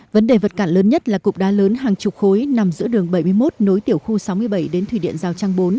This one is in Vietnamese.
vấn đề vật cản lớn nhất là cục đá lớn hàng chục khối nằm giữa đường bảy mươi một nối tiểu khu sáu mươi bảy đến thủy điện giao trang bốn